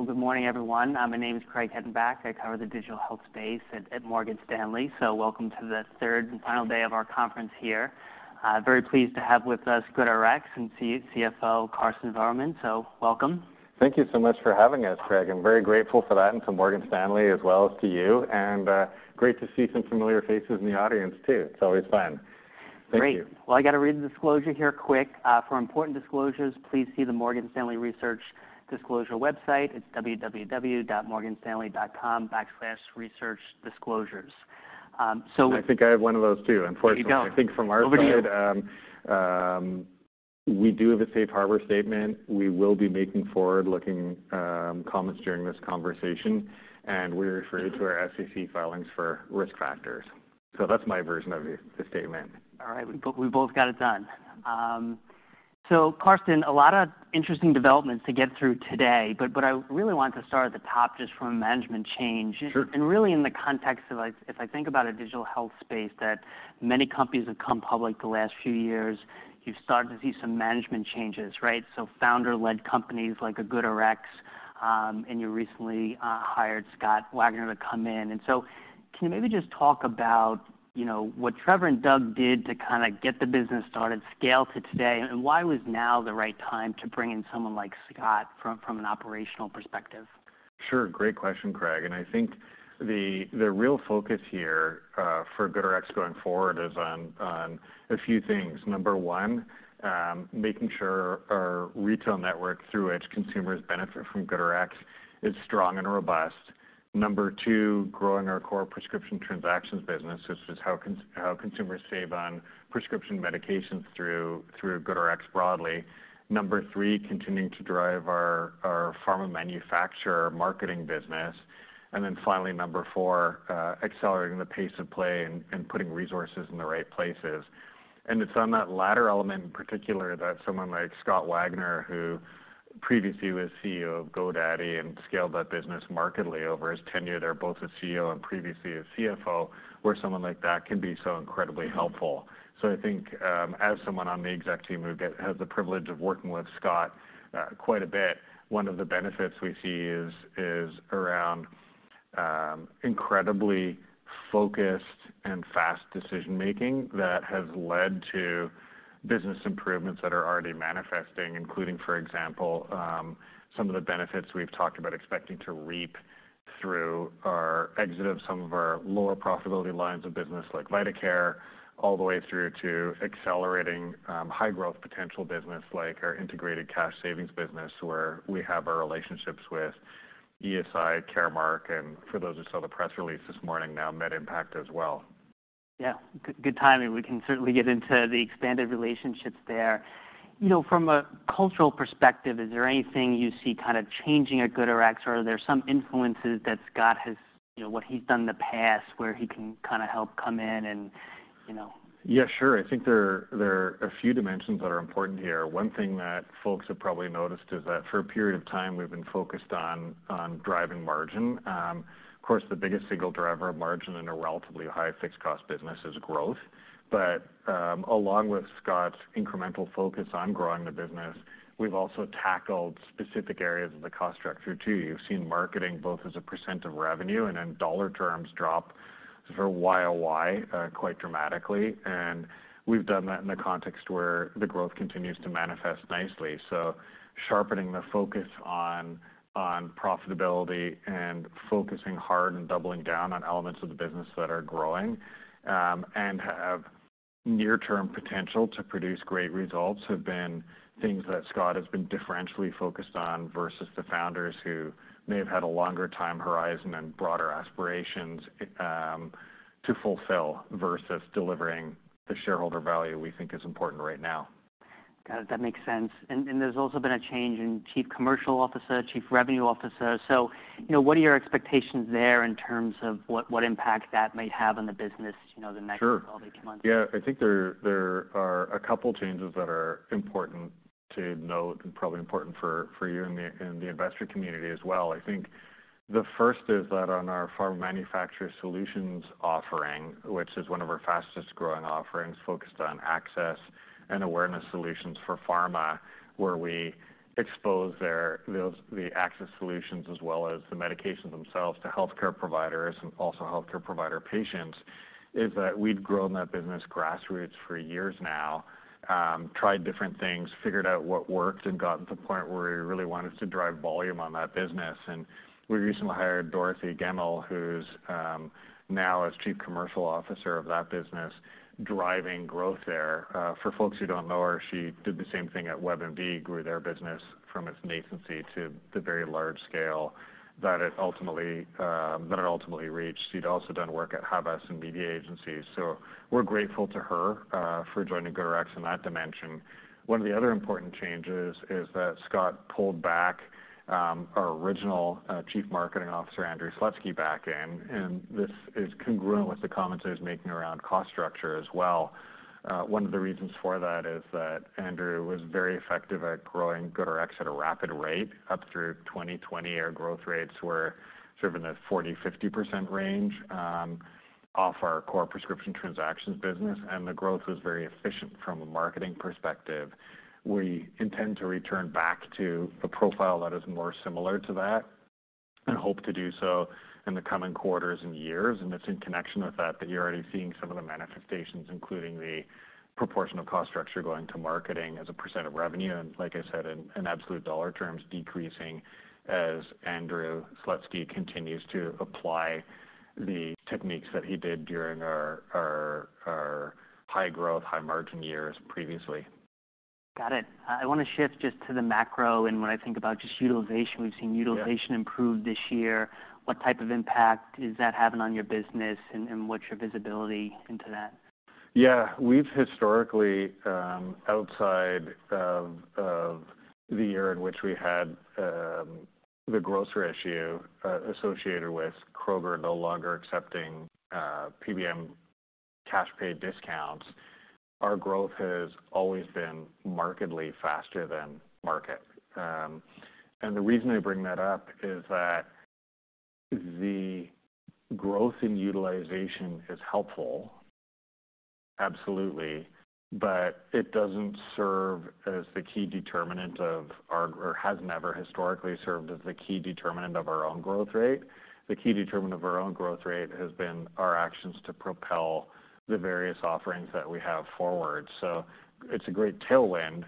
Great. Well, good morning, everyone. My name is Craig Hettenbach. I cover the digital health space at Morgan Stanley. Welcome to the third and final day of our conference here. Very pleased to have with us GoodRx and CFO Karsten Voermann. Welcome. Thank you so much for having us, Craig. I'm very grateful for that and to Morgan Stanley as well as to you, and, great to see some familiar faces in the audience, too. It's always fun. Thank you. Great. Well, I got to read the disclosure here quick. For important disclosures, please see the Morgan Stanley Research Disclosure website. It's www.morganstanley.com/researchdisclosures. I think I have one of those, too. There you go. Unfortunately, I think from our side, we do have a safe harbor statement. We will be making forward-looking comments during this conversation, and we refer you to our SEC filings for risk factors. So that's my version of the statement. All right, we both got it done. So, Karsten, a lot of interesting developments to get through today, but I really want to start at the top, just from a management change. Sure. And really in the context of, like, if I think about a digital health space that many companies have come public the last few years, you've started to see some management changes, right? So founder-led companies like a GoodRx, and you recently hired Scott Wagner to come in. And so can you maybe just talk about, you know, what Trevor and Doug did to kinda get the business started, scale to today, and why was now the right time to bring in someone like Scott from, from an operational perspective? Sure. Great question, Craig, and I think the real focus here for GoodRx going forward is on a few things. Number one, making sure our retail network, through which consumers benefit from GoodRx, is strong and robust. Number two, growing our core prescription transactions business, which is how consumers save on prescription medications through GoodRx broadly. Number three, continuing to drive our pharma manufacturer marketing business. And then finally, number four, accelerating the pace of play and putting resources in the right places. And it's on that latter element in particular, that someone like Scott Wagner, who previously was CEO of GoDaddy and scaled that business markedly over his tenure there, both as CEO and previously as CFO, where someone like that can be so incredibly helpful. So I think, as someone on the exec team who has the privilege of working with Scott, quite a bit, one of the benefits we see is around incredibly focused and fast decision-making that has led to business improvements that are already manifesting, including, for example, some of the benefits we've talked about expecting to reap through our exit of some of our lower profitability lines of business, like VitaCare, all the way through to accelerating high growth potential business, like our integrated cash savings business, where we have our relationships with ESI, Caremark, and for those who saw the press release this morning, now MedImpact as well. Yeah, good timing. We can certainly get into the expanded relationships there. You know, from a cultural perspective, is there anything you see kind of changing at GoodRx, or are there some influences that Scott has, you know, what he's done in the past, where he can kinda help come in and, you know? Yeah, sure. I think there, there are a few dimensions that are important here. One thing that folks have probably noticed is that for a period of time, we've been focused on, on driving margin. Of course, the biggest single driver of margin in a relatively high fixed cost business is growth. But, along with Scott's incremental focus on growing the business, we've also tackled specific areas of the cost structure, too. You've seen marketing, both as a % of revenue and in dollar terms, drop for YOY, quite dramatically, and we've done that in the context where the growth continues to manifest nicely. Sharpening the focus on profitability and focusing hard and doubling down on elements of the business that are growing and have near-term potential to produce great results have been things that Scott has been differentially focused on versus the founders, who may have had a longer time horizon and broader aspirations to fulfill versus delivering the shareholder value we think is important right now. Got it. That makes sense. And there's also been a change in Chief Commercial Officer, Chief Revenue Officer. So, you know, what are your expectations there in terms of what impact that might have on the business, you know, the next- Sure - 12 months? Yeah. I think there are a couple changes that are important to note, and probably important for you and the investor community as well. I think the first is that on our Pharma Manufacturer Solutions offering, which is one of our fastest growing offerings, focused on access and awareness solutions for pharma, where we expose their access solutions as well as the medications themselves to healthcare providers and also healthcare provider patients, we've grown that business grassroots for years now. Tried different things, figured out what worked, and gotten to the point where we really wanted to drive volume on that business. And we recently hired Dorothy Gemmell, who's now as Chief Commercial Officer of that business, driving growth there. For folks who don't know her, she did the same thing at WebMD, grew their business from its nascency to the very large scale that it ultimately reached. She'd also done work at Havas and ad agencies, so we're grateful to her for joining GoodRx in that dimension. One of the other important changes is that Scott pulled back our original Chief Marketing Officer, Andrew Slutsky, back in, and this is congruent with the comments I was making around cost structure as well. One of the reasons for that is that Andrew was very effective at growing GoodRx at a rapid rate. Up through 2020, our growth rates were sort of in the 40%-50% range off our core prescription transactions business, and the growth was very efficient from a marketing perspective. We intend to return back to a profile that is more similar to that, and hope to do so in the coming quarters and years, and it's in connection with that, that you're already seeing some of the manifestations, including the proportion of cost structure going to marketing as a % of revenue, and like I said, in absolute dollar terms, decreasing as Andrew Slutsky continues to apply the techniques that he did during our high growth, high margin years previously. Got it. I want to shift just to the macro and when I think about just utilization. We've seen- Yeah - utilization improve this year. What type of impact is that having on your business, and what's your visibility into that? Yeah, we've historically, outside of the year in which we had the grocer issue associated with Kroger no longer accepting PBM cash pay discounts, our growth has always been markedly faster than market. And the reason I bring that up is that the growth in utilization is helpful, absolutely, but it doesn't serve as the key determinant of our—or has never historically served as the key determinant of our own growth rate. The key determinant of our own growth rate has been our actions to propel the various offerings that we have forward. So it's a great tailwind,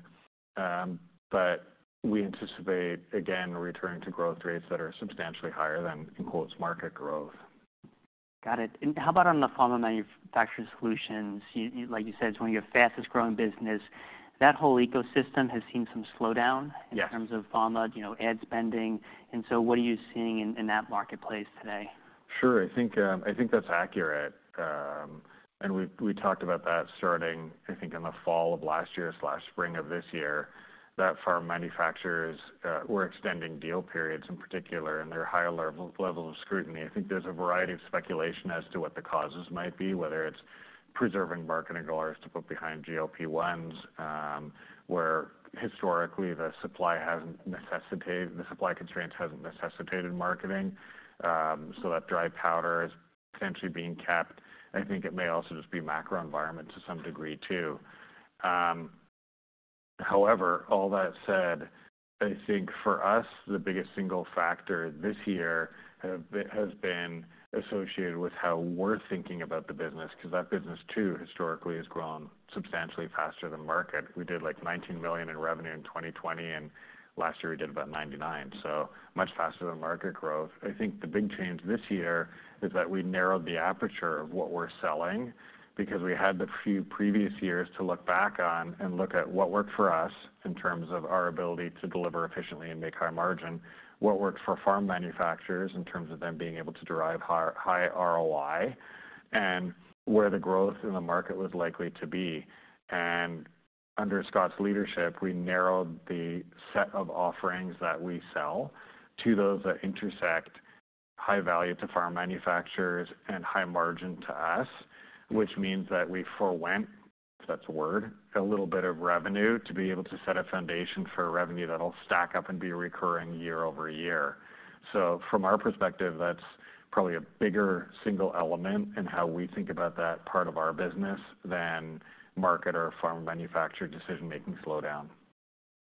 but we anticipate, again, returning to growth rates that are substantially higher than, quote, "market growth. Got it. And how about on the pharma manufacturer solutions? You, like you said, it's one of your fastest growing business. That whole ecosystem has seen some slowdown- Yes in terms of pharma, you know, ad spending, and so what are you seeing in that marketplace today? Sure. I think, I think that's accurate. And we talked about that starting, I think, in the fall of last year/spring of this year, that pharma manufacturers were extending deal periods, in particular, and their higher level of scrutiny. I think there's a variety of speculation as to what the causes might be, whether it's preserving marketing dollars to put behind GLP-1s, where historically, the supply constraints hasn't necessitated marketing. So that dry powder is potentially being kept. I think it may also just be macro environment to some degree, too. However, all that said, I think for us, the biggest single factor this year has been associated with how we're thinking about the business, 'cause that business too, historically, has grown substantially faster than market. We did, like, $19 million in revenue in 2020, and last year we did about $99 million, so much faster than market growth. I think the big change this year is that we narrowed the aperture of what we're selling, because we had the few previous years to look back on and look at what worked for us in terms of our ability to deliver efficiently and make high margin, what worked for pharma manufacturers in terms of them being able to derive high, high ROI, and where the growth in the market was likely to be. Under Scott's leadership, we narrowed the set of offerings that we sell to those that intersect high value to pharma manufacturers and high margin to us, which means that we forewent, if that's a word, a little bit of revenue to be able to set a foundation for revenue that'll stack up and be recurring year over year. From our perspective, that's probably a bigger single element in how we think about that part of our business than market or pharma manufacturer decision-making slowdown.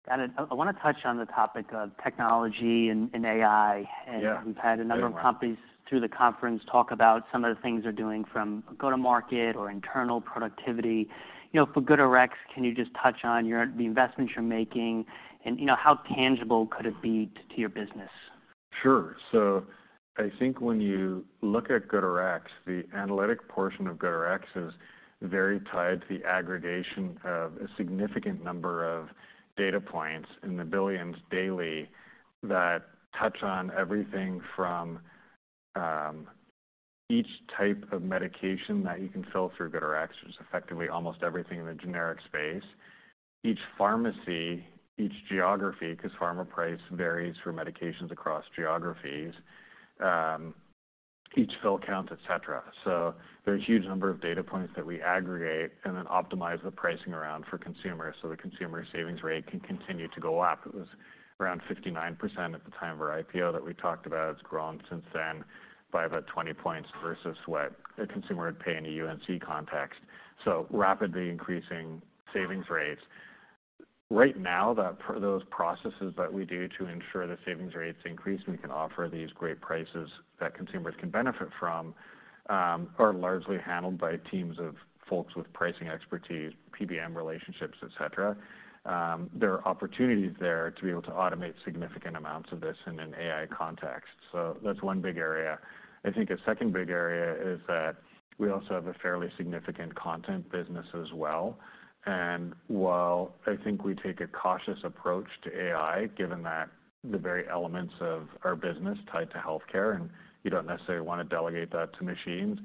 Got it. I wanna touch on the topic of technology and AI. Yeah. We've had a number of companies through the conference talk about some of the things they're doing, from go-to-market or internal productivity. You know, for GoodRx, can you just touch on your, the investments you're making, and, you know, how tangible could it be to your business? Sure. So I think when you look at GoodRx, the analytic portion of GoodRx is very tied to the aggregation of a significant number of data points, in the billions daily, that touch on everything from each type of medication that you can fill through GoodRx, which is effectively almost everything in the generic space, each pharmacy, each geography, 'cause pharma price varies for medications across geographies, each fill count, et cetera. So there are a huge number of data points that we aggregate and then optimize the pricing around for consumers, so the consumer savings rate can continue to go up. It was around 59% at the time of our IPO that we talked about. It's grown since then by about 20 points versus what a consumer would pay in a U&C context, so rapidly increasing savings rates. Right now, those processes that we do to ensure the savings rates increase and we can offer these great prices that consumers can benefit from are largely handled by teams of folks with pricing expertise, PBM relationships, et cetera. There are opportunities there to be able to automate significant amounts of this in an AI context. So that's one big area. I think a second big area is that we also have a fairly significant content business as well, and while I think we take a cautious approach to AI, given that the very elements of our business tied to healthcare, and you don't necessarily want to delegate that to machines,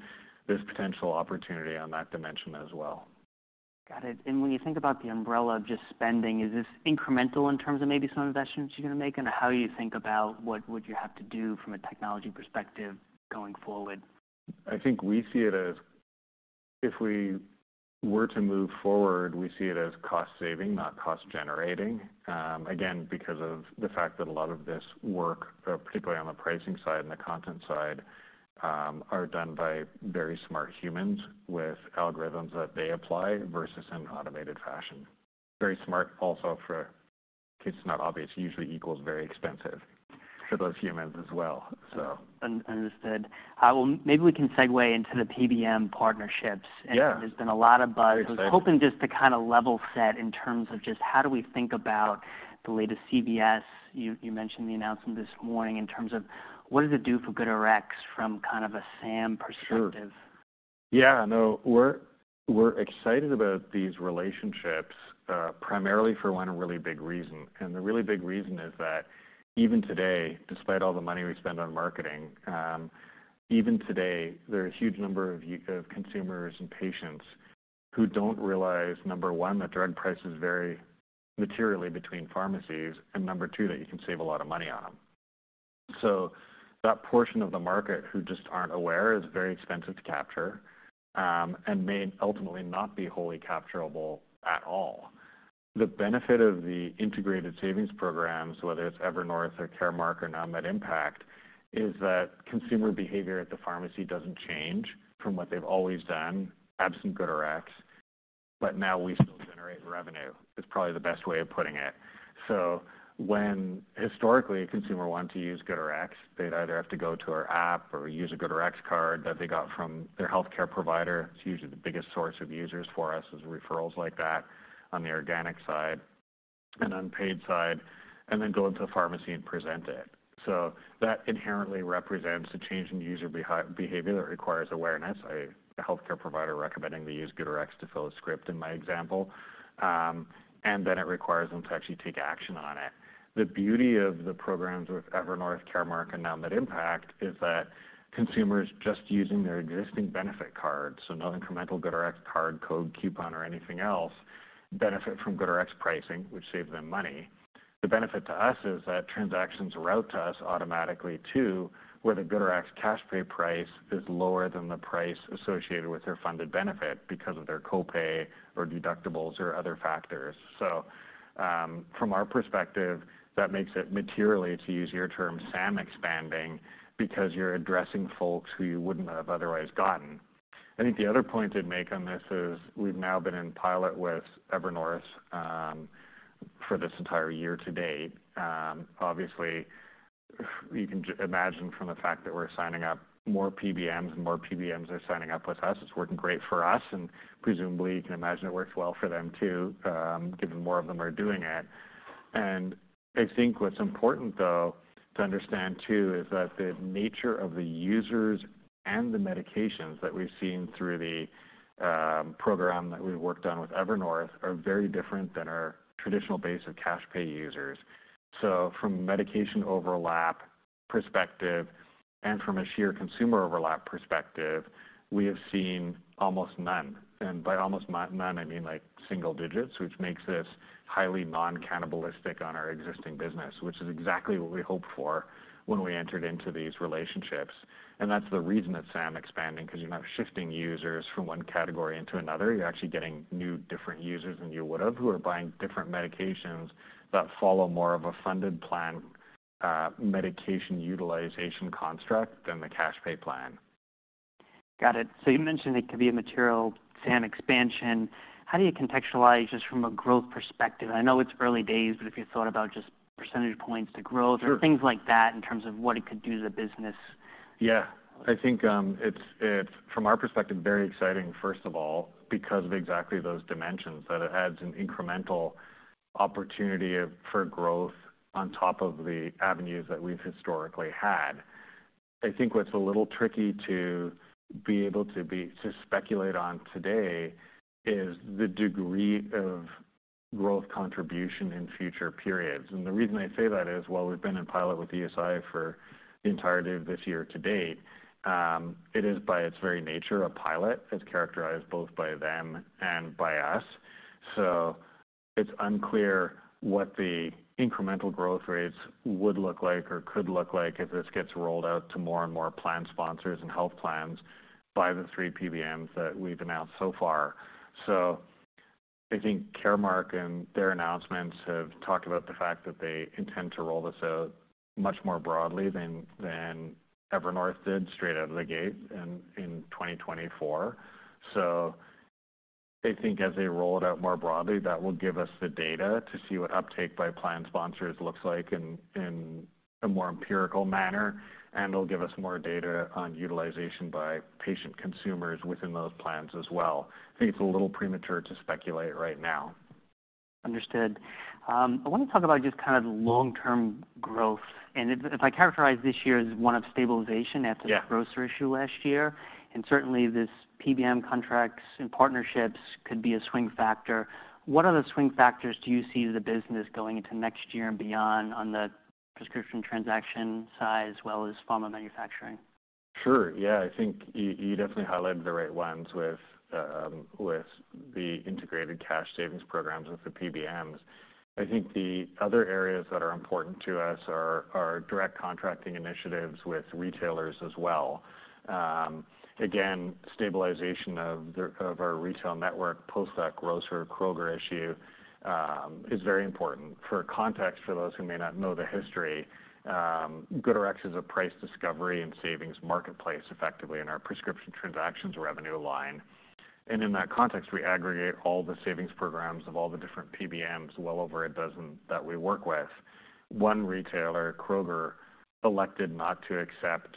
there's potential opportunity on that dimension as well. Got it. And when you think about the umbrella of just spending, is this incremental in terms of maybe some investments you're gonna make? And how you think about what would you have to do from a technology perspective going forward? I think we see it as if we were to move forward, we see it as cost saving, not cost generating, again, because of the fact that a lot of this work, particularly on the pricing side and the content side, are done by very smart humans with algorithms that they apply versus an automated fashion. Very smart also for, in case it's not obvious, usually equals very expensive for those humans as well, so. Understood. Well, maybe we can segue into the PBM partnerships. Yeah. There's been a lot of buzz. Very exciting. I was hoping just to kind of level set in terms of just how do we think about the latest CVS. You mentioned the announcement this morning, in terms of what does it do for GoodRx from kind of a SAM perspective? Sure. Yeah, no, we're excited about these relationships, primarily for one really big reason. And the really big reason is that even today, despite all the money we spend on marketing, even today, there are a huge number of consumers and patients who don't realize, number one, that drug prices vary materially between pharmacies, and number two, that you can save a lot of money on them. So that portion of the market who just aren't aware is very expensive to capture, and may ultimately not be wholly capturable at all. The benefit of the integrated savings programs, whether it's Evernorth or Caremark or MedImpact, is that consumer behavior at the pharmacy doesn't change from what they've always done, absent GoodRx, but now we still generate revenue. It's probably the best way of putting it. So when historically, a consumer wanted to use GoodRx, they'd either have to go to our app or use a GoodRx card that they got from their healthcare provider. It's usually the biggest source of users for us, is referrals like that on the organic side and unpaid side, and then go into the pharmacy and present it. So that inherently represents a change in user behavior that requires awareness, a healthcare provider recommending they use GoodRx to fill a script in my example, and then it requires them to actually take action on it. The beauty of the programs with Evernorth, Caremark, and MedImpact is that consumers just using their existing benefit card, so no incremental GoodRx card, code, coupon, or anything else, benefit from GoodRx pricing, which saves them money. The benefit to us is that transactions route to us automatically, too, where the GoodRx cash pay price is lower than the price associated with their funded benefit because of their copay or deductibles or other factors. So, from our perspective, that makes it materially, to use your term, SAM expanding, because you're addressing folks who you wouldn't have otherwise gotten. I think the other point I'd make on this is, we've now been in pilot with Evernorth, for this entire year to date. Obviously, you can imagine from the fact that we're signing up more PBMs and more PBMs are signing up with us, it's working great for us, and presumably, you can imagine it works well for them, too, given more of them are doing it. I think what's important, though, to understand, too, is that the nature of the users and the medications that we've seen through the program that we've worked on with Evernorth are very different than our traditional base of cash pay users. From a medication overlap perspective and from a sheer consumer overlap perspective, we have seen almost none. By almost none, I mean, like single digits, which makes this highly non-cannibalistic on our existing business, which is exactly what we hoped for when we entered into these relationships. That's the reason it's SAM expanding, because you're not shifting users from one category into another. You're actually getting new, different users than you would've, who are buying different medications that follow more of a funded plan, medication utilization construct than the cash pay plan. Got it. So you mentioned it could be a material SAM expansion. How do you contextualize just from a growth perspective? I know it's early days, but if you thought about just percentage points to growth- Sure or things like that, in terms of what it could do to the business. Yeah. I think, it's from our perspective, very exciting, first of all, because of exactly those dimensions, that it adds an incremental opportunity for growth on top of the avenues that we've historically had. I think what's a little tricky to speculate on today is the degree of growth contribution in future periods. And the reason I say that is, while we've been in pilot with ESI for the entirety of this year to date, it is, by its very nature, a pilot. It's characterized both by them and by us. So it's unclear what the incremental growth rates would look like or could look like if this gets rolled out to more and more plan sponsors and health plans by the three PBMs that we've announced so far. So I think Caremark and their announcements have talked about the fact that they intend to roll this out much more broadly than Evernorth did straight out of the gate in 2024. So I think as they roll it out more broadly, that will give us the data to see what uptake by plan sponsors looks like in a more empirical manner, and it'll give us more data on utilization by patient consumers within those plans as well. I think it's a little premature to speculate right now. Understood. I wanna talk about just kind of long-term growth, and if I characterize this year as one of stabilization- Yeah After the grocer issue last year, and certainly, this PBM contracts and partnerships could be a swing factor. What other swing factors do you see the business going into next year and beyond on the prescription transaction side, as well as pharma manufacturing? Sure. Yeah, I think you definitely highlighted the right ones with the integrated cash savings programs with the PBMs. I think the other areas that are important to us are direct contracting initiatives with retailers as well. Again, stabilization of our retail network, post that grocer Kroger issue, is very important. For context, for those who may not know the history, GoodRx is a price discovery and savings marketplace, effectively, in our prescription transactions revenue line. And in that context, we aggregate all the savings programs of all the different PBMs, well over a dozen that we work with. One retailer, Kroger, elected not to accept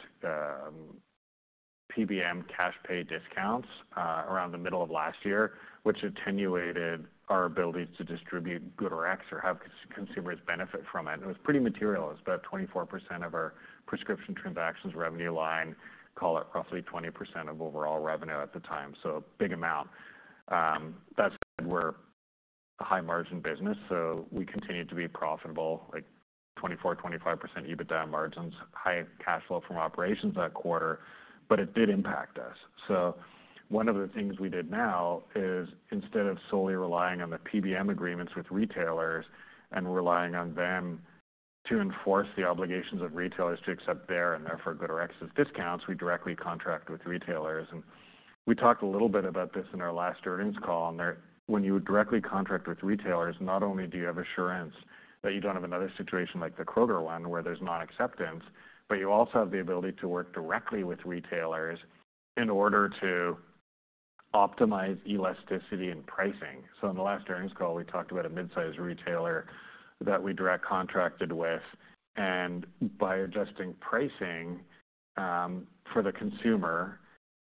PBM cash pay discounts around the middle of last year, which attenuated our ability to distribute GoodRx or have consumers benefit from it. And it was pretty material. It was about 24% of our prescription transactions revenue line, call it roughly 20% of overall revenue at the time, so a big amount. That said, we're a high-margin business, so we continued to be profitable, like 24, 25% EBITDA margins, high cash flow from operations that quarter, but it did impact us. So one of the things we did now is, instead of solely relying on the PBM agreements with retailers and relying on them to enforce the obligations of retailers to accept their and therefore GoodRx's discounts, we directly contract with retailers. We talked a little bit about this in our last earnings call, and there, when you directly contract with retailers, not only do you have assurance that you don't have another situation like the Kroger one, where there's nonacceptance, but you also have the ability to work directly with retailers in order to optimize elasticity and pricing. In the last earnings call, we talked about a mid-sized retailer that we direct contracted with, and by adjusting pricing for the consumer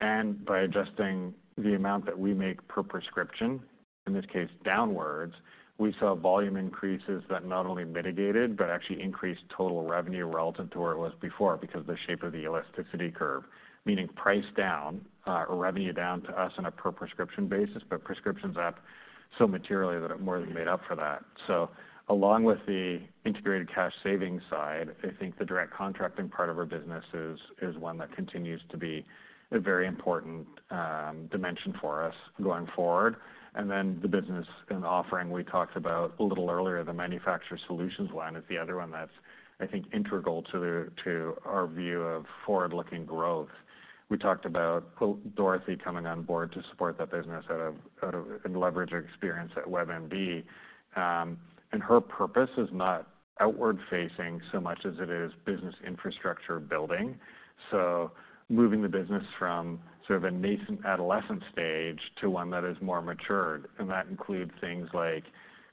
and by adjusting the amount that we make per prescription, in this case, downwards, we saw volume increases that not only mitigated, but actually increased total revenue relative to where it was before, because of the shape of the elasticity curve. Meaning price down, or revenue down to us on a per prescription basis, but prescriptions up so materially that it more than made up for that. So along with the integrated cash savings side, I think the direct contracting part of our business is one that continues to be a very important dimension for us going forward. And then the business and offering we talked about a little earlier, the manufacturer solutions one, is the other one that's, I think, integral to our view of forward-looking growth. We talked about, quote, Dorothy coming on board to support that business and leverage her experience at WebMD. And her purpose is not outward-facing so much as it is business infrastructure building. So moving the business from sort of a nascent adolescent stage to one that is more matured, and that includes things like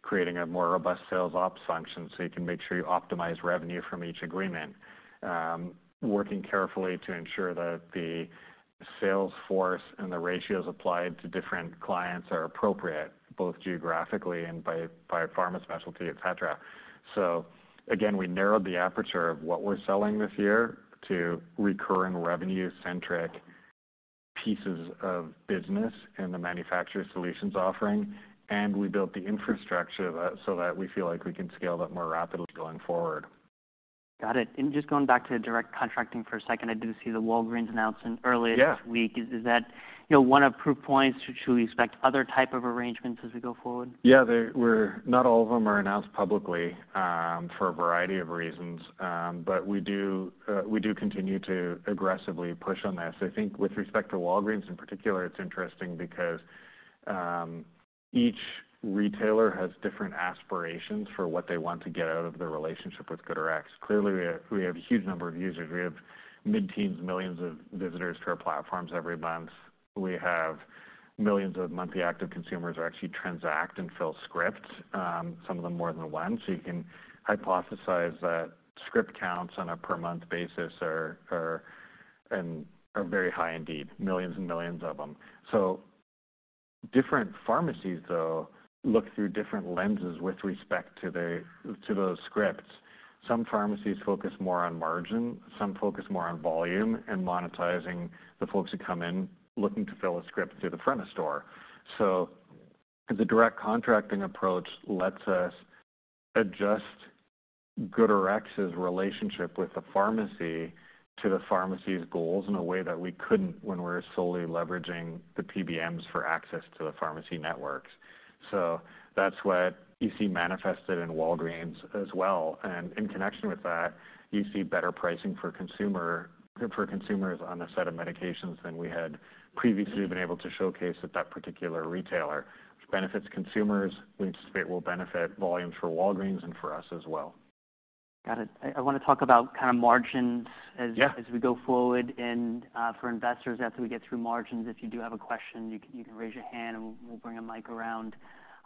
creating a more robust sales ops function, so you can make sure you optimize revenue from each agreement. Working carefully to ensure that the sales force and the ratios applied to different clients are appropriate, both geographically and by pharma specialty, et cetera. So again, we narrowed the aperture of what we're selling this year to recurring revenue-centric pieces of business in the manufacturer solutions offering, and we built the infrastructure of that so that we feel like we can scale that more rapidly going forward. Got it. And just going back to direct contracting for a second, I did see the Walgreens announcement earlier- Yeah this week. Is that, you know, one of proof points? Should we expect other type of arrangements as we go forward? Yeah, not all of them are announced publicly, for a variety of reasons. But we do continue to aggressively push on this. I think with respect to Walgreens, in particular, it's interesting because each retailer has different aspirations for what they want to get out of their relationship with GoodRx. Clearly, we have a huge number of users. We have mid-teens millions of visitors to our platforms every month. We have millions of monthly active consumers who actually transact and fill scripts, some of them more than one. So you can hypothesize that script counts on a per month basis are very high indeed, millions and millions of them. So different pharmacies, though, look through different lenses with respect to those scripts. Some pharmacies focus more on margin, some focus more on volume and monetizing the folks who come in looking to fill a script through the front of store. So the direct contracting approach lets us adjust GoodRx's relationship with the pharmacy to the pharmacy's goals in a way that we couldn't when we're solely leveraging the PBMs for access to the pharmacy networks. So that's what you see manifested in Walgreens as well. And in connection with that, you see better pricing for consumer, for consumers on a set of medications than we had previously been able to showcase at that particular retailer, which benefits consumers. We anticipate will benefit volumes for Walgreens and for us as well. Got it. I wanna talk about kind of margins as- Yeah as we go forward. For investors, after we get through margins, if you do have a question, you can, you can raise your hand and we'll, we'll bring a mic around.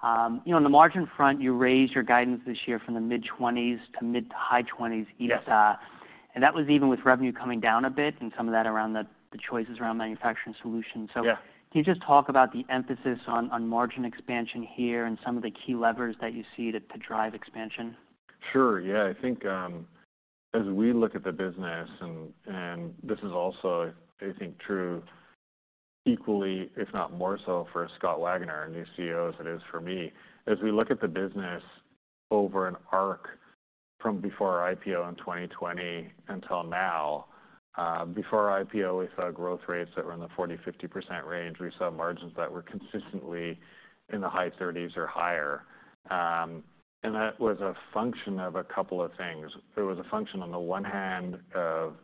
You know, on the margin front, you raised your guidance this year from the mid-20s to mid- to high 20s, EBITDA. Yes. That was even with revenue coming down a bit and some of that around the choices around manufacturer solutions. Yeah. Can you just talk about the emphasis on margin expansion here and some of the key levers that you see to drive expansion? Sure. Yeah. I think, as we look at the business, and this is also, I think, true equally, if not more so, for Scott Wagner, our new CEO, as it is for me. As we look at the business over an arc from before our IPO in 2020 until now, before our IPO, we saw growth rates that were in the 40%-50% range. We saw margins that were consistently in the high 30s or higher. And that was a function of a couple of things. It was a function, on the one hand, of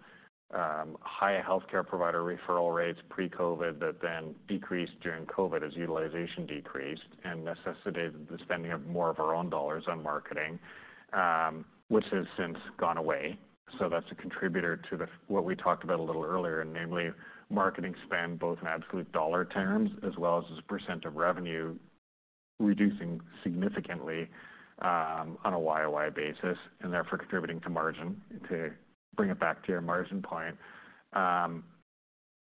high healthcare provider referral rates pre-COVID, that then decreased during COVID as utilization decreased and necessitated the spending of more of our own dollars on marketing, which has since gone away. So that's a contributor to the, what we talked about a little earlier, namely marketing spend, both in absolute dollar terms as well as a percent of revenue... reducing significantly, on a YOY basis, and therefore contributing to margin, to bring it back to your margin point,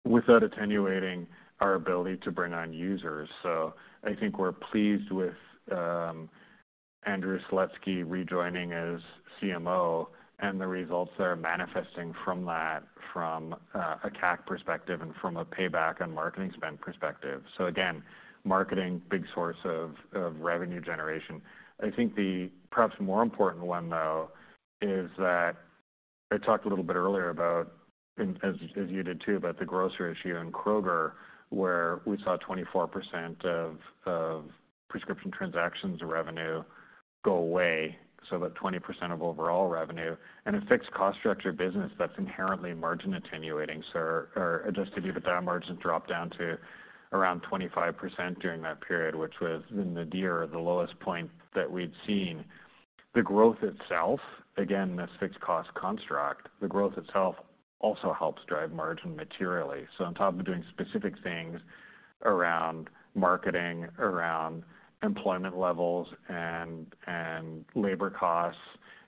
without attenuating our ability to bring on users. So I think we're pleased with Andrew Slutsky rejoining as CMO and the results that are manifesting from that, from a CAC perspective and from a payback and marketing spend perspective. So again, marketing, big source of revenue generation. I think the perhaps more important one, though, is that I talked a little bit earlier about, and as you did, too, about the grocer issue in Kroger, where we saw 24% of prescription transactions revenue go away, so about 20% of overall revenue. A fixed cost structure business that's inherently margin attenuating, so our Adjusted EBITDA margins dropped down to around 25% during that period, which was the nadir, the lowest point that we'd seen. The growth itself, again, this fixed cost construct, the growth itself also helps drive margin materially. On top of doing specific things around marketing, around employment levels and, and labor costs,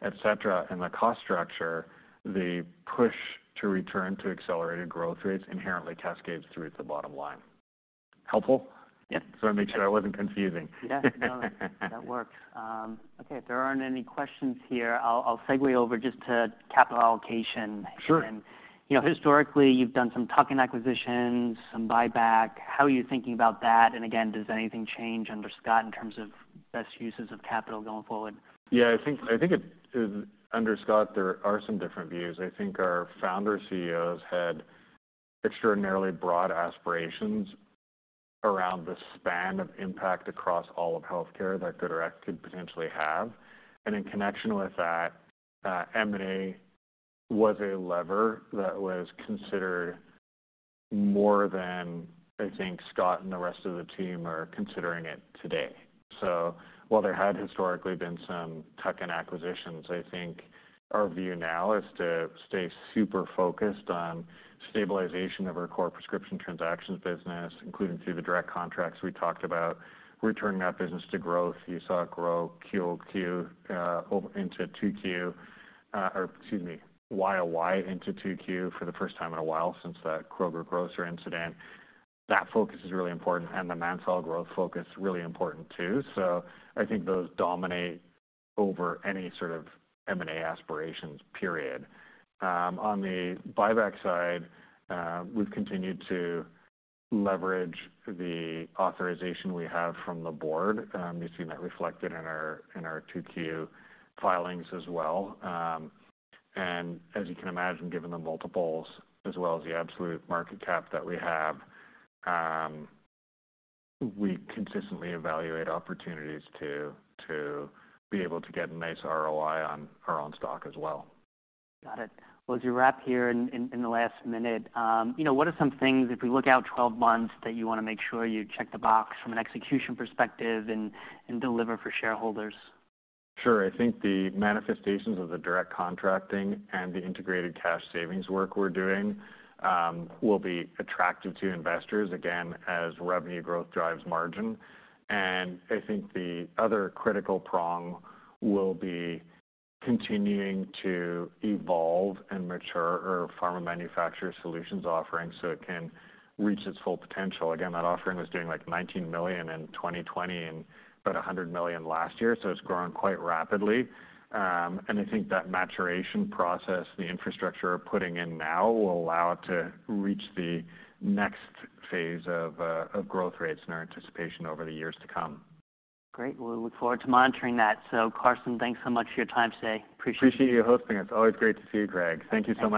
et cetera, and the cost structure, the push to return to accelerated growth rates inherently cascades through to the bottom line. Helpful? Yeah. Just wanna make sure I wasn't confusing. Yeah, no, that works. Okay, there aren't any questions here. I'll segue over just to capital allocation. Sure. And, you know, historically, you've done some tuck-in acquisitions, some buyback. How are you thinking about that? And again, does anything change under Scott in terms of best uses of capital going forward? Yeah, I think it, under Scott, there are some different views. I think our founder CEOs had extraordinarily broad aspirations around the span of impact across all of healthcare that GoodRx could potentially have. And in connection with that, M&A was a lever that was considered more than I think Scott and the rest of the team are considering it today. So while there had historically been some tuck-in acquisitions, I think our view now is to stay super focused on stabilization of our core prescription transactions business, including through the direct contracts we talked about, returning that business to growth. You saw it grow QOQ into 2Q, or excuse me, YOY into 2Q for the first time in a while since that Kroger grocer incident. That focus is really important, and the Man Sol growth focus, really important, too. So I think those dominate over any sort of M&A aspirations, period. On the buyback side, we've continued to leverage the authorization we have from the board. You've seen that reflected in our 2Q filings as well. As you can imagine, given the multiples as well as the absolute market cap that we have, we consistently evaluate opportunities to be able to get a nice ROI on our own stock as well. Got it. Well, as you wrap here in the last minute, you know, what are some things, if we look out 12 months, that you wanna make sure you check the box from an execution perspective and deliver for shareholders? Sure. I think the manifestations of the Direct Contracting and the Integrated Cash Savings work we're doing, will be attractive to investors, again, as revenue growth drives margin. And I think the other critical prong will be continuing to evolve and mature our Pharma Manufacturer Solutions offering so it can reach its full potential. Again, that offering was doing, like, $19 million in 2020 and about $100 million last year, so it's grown quite rapidly. And I think that maturation process, the infrastructure we're putting in now, will allow it to reach the next phase of growth rates in our anticipation over the years to come. Great. Well, we look forward to monitoring that. So Karsten, thanks so much for your time today. Appreciate it. Appreciate you hosting us. Always great to see you, Craig. Thank you so much.